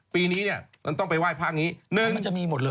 ปีนี้เนี่ยเราต้องไปไหว้พระอันนี้